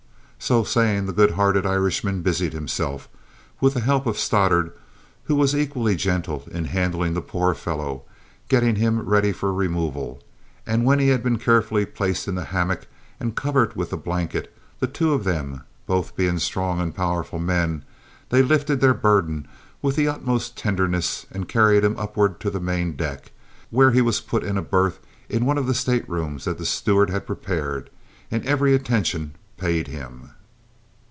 So saying, the good hearted Irishman busied himself, with the help of Stoddart, who was equally gentle in handling the poor fellow, getting him ready for removal; and when he had been carefully placed in the hammock and covered with the blanket, the two of them, both being strong and powerful men, they lifted their burden with the utmost tenderness and carried him upward to the main deck, where he was put into a berth in one of the state rooms that the steward had prepared, and every attention paid him.